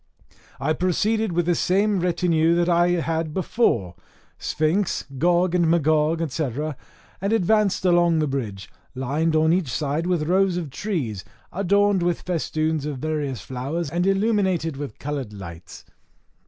I proceeded with the same retinue that I had before Sphinx, Gog and Magog, &c., and advanced along the bridge, lined on each side with rows of trees, adorned with festoons of various flowers, and illuminated with coloured lights.